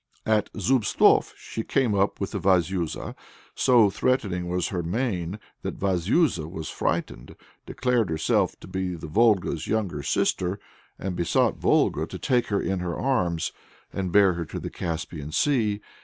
At Zubtsof she came up with Vazuza. So threatening was her mien, that Vazuza was frightened, declared herself to be Volga's younger sister, and besought Volga to take her in her arms and bear her to the Caspian Sea.